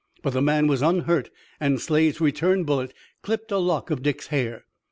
But the man was unhurt and Slade's return bullet clipped a lock of Dick's hair.